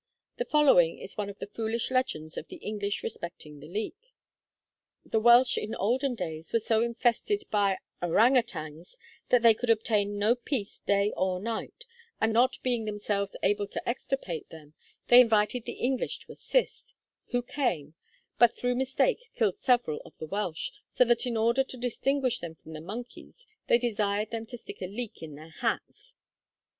The following is one of the foolish legends of the English respecting the leek: 'The Welsh in olden days were so infested by ourang outangs that they could obtain no peace day or night, and not being themselves able to extirpate them they invited the English to assist, who came; but through mistake killed several of the Welsh, so that in order to distinguish them from the monkeys they desired them to stick a leek in their hats.'